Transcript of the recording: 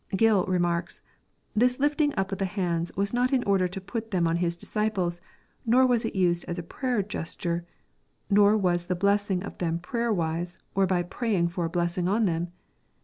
Gill remarks, "This lifting up of the hands was not in order to put them on His disciples, nor was it used as a prayer gesture, nor was the blessing of them prayerwise, or by praying for a blessing on them.